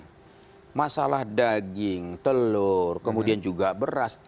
jadi masalah daging telur kemudian juga beras